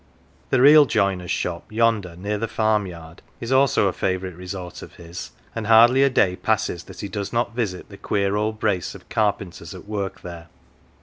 The real joiner's shop, yonder near the farm yard, is also a favourite resort of his, and hardly a day passes that he does not visit the queer old brace of carpenters at work there.